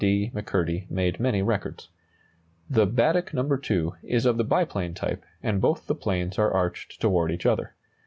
D. McCurdy made many records. The "Baddeck No. 2" is of the biplane type, and both the planes are arched toward each other.